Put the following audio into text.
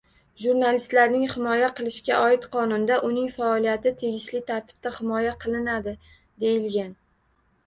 Jurnalistlarni himoya qilishga oid qonunda uning faoliyati tegishli tartibda himoya qilinadi, deyilgan.